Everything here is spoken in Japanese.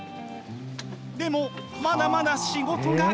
でもまだまだ仕事が。